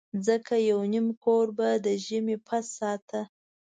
ځکه یو نیم کور به د ژمي پس ساته.